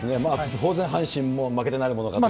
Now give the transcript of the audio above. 当然阪神も負けてなるものかと。